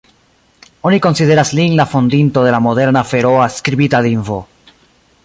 Oni konsideras lin la fondinto de la moderna feroa skribita lingvo.